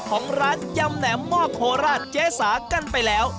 ของร้านยำแหนมหม้อโคราชเจ๊สากันไปแล้ว